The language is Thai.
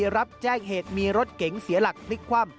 รับแจ้งเหตุมีรถเก๋งเสียหลักพลิกคว่ำ